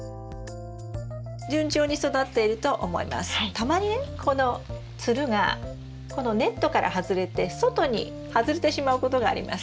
たまにねこのつるがこのネットから外れて外に外れてしまうことがあります。